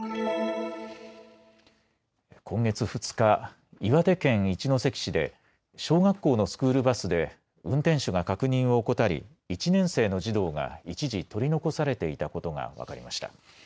今月２日、岩手県一関市で小学校のスクールバスで運転手が確認を怠り１年生の児童が一時取り残されていたことが分かりました。